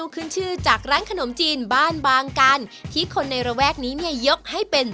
ขึ้นชื่อจากร้านขนมจีนบ้านบางกันที่คนในระแวกนี้เนี่ยยกให้เป็น